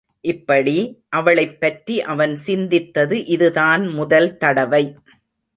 இப்படி, அவளைப்பற்றி அவன் சிந்தித்தது இதுதான் முதல் தடவை.